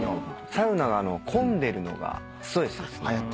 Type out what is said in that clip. サウナが混んでるのがストレスですね。